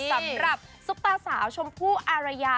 สำหรับซุปตาสาวชมพู่อารยา